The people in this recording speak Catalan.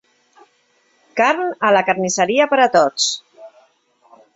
Carn a la carnisseria per a tots